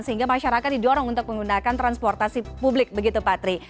sehingga masyarakat didorong untuk menggunakan transportasi publik begitu pak tri